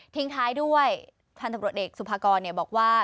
ทิ้งท้ายด้วยท่านตำรวจเด็กสุภากรเนี่ยบอกว่า